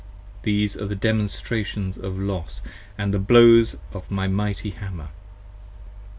These are the Demonstrations of Los & the blows of my mighty Hammer.